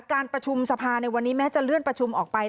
การประชุมสภาในวันนี้แม้จะเลื่อนประชุมออกไป